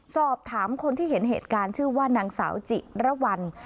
สอบถามคนที่เห็นเหตุการณ์ชื่อว่านางสาวจิระวัล